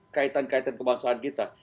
kaitan kaitan kebangsaan kita